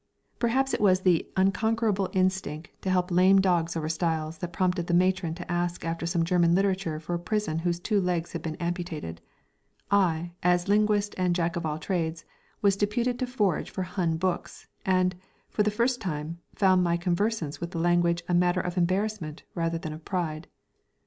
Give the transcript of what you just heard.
_ Perhaps it was the unconquerable instinct to help lame dogs over stiles that prompted the Matron to ask after some German literature for a prisoner whose two legs had been amputated. I, as linguist and jack of all trades, was deputed to forage for Hun books, and, for the first time, found my conversance with the language a matter of embarrassment rather than of pride.